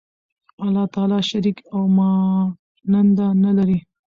الله تعالی شریک او ماننده نه لری